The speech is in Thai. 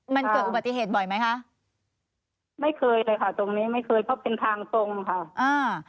มันเกิดอุบัติเหตุบ่อยไหมคะไม่เคยเลยค่ะตรงนี้ไม่เคยเพราะเป็นทางตรงค่ะอ่า